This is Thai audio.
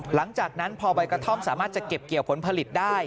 หลังจากนั้นพอใบกระท่อมสามารถจะเก็บเกี่ยวผลผลิตได้